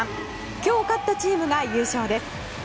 今日勝ったチームが優勝です。